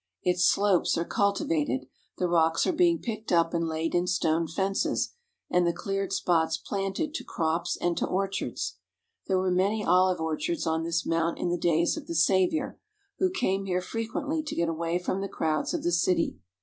Its slopes are cul tivated, the rocks are being picked up and laid in stone fences, and the cleared spots planted to crops and to orchards. There were many olive orchards on this mount in the days of the Saviour, who came here fre quently to get away from the crowds of the city.